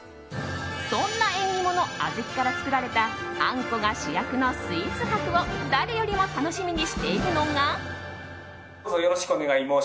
そんな縁起物、小豆から作られたあんこが主役のスウィーツ博を誰よりも楽しみにしているのが。